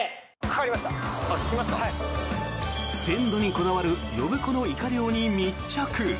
鮮度にこだわる呼子のイカ漁に密着。